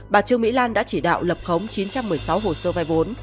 bà trương mỹ lan đã chỉ đạo lập khống chín trăm một mươi sáu hồ sơ vay vốn